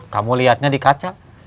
kamu liatnya di kaca